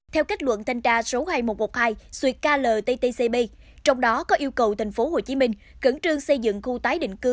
theo kết luận thanh tra số hai nghìn một trăm một mươi hai suy klttcb trong đó có yêu cầu tp hcm cẩn trương xây dựng khu tái định cư